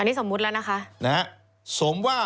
นี่สมมุติแล้วนะคะ